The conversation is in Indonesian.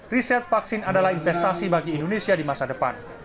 riset vaksin adalah investasi bagi indonesia di masa depan